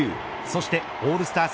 そして、オールスター